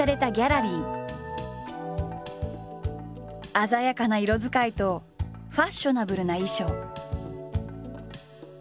鮮やかな色使いとファッショナブルな衣装。